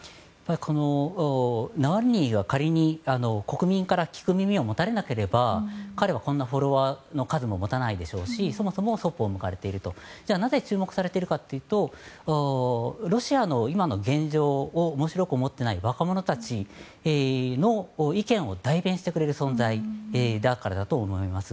ナワリヌイは、仮に国民から聞く耳を持たれなければ彼はこんなフォロワーの数を持たないでしょうしそもそもそっぽを向かれているとじゃあなぜ注目されているかというとロシアの今の現状を面白く思っていない若者たちの意見を代弁してくれる存在だからだと思います。